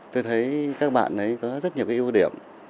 tôi thấy các bạn ấy có rất nhiều cái ưu điểm